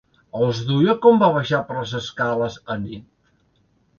Els duia quan va baixar per les escales anit?